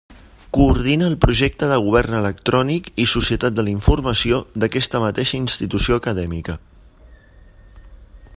Coordina el Projecte de Govern Electrònic i Societat de la Informació d'aquesta mateixa institució acadèmica.